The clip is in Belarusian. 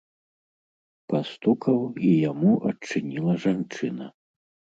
Пастукаў, і яму адчыніла жанчына.